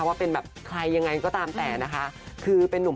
ว่าเป็นแบบใครยังไงก็ตามแต่นะคะคือเป็นนุ่ม